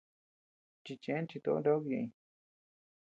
Chichen chitöo nakuu ñeʼëñ.